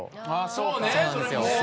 そうなんですよ。